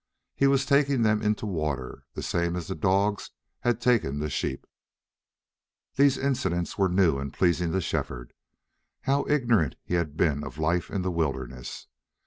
He was taking them in to water, the same as the dogs had taken the sheep. These incidents were new and pleasing to Shefford. How ignorant he had been of life in the wilderness!